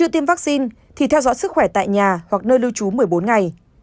tiêm một mũi thì theo dõi sức khỏe tại nhà hoặc nơi lưu trú một mươi bốn ngày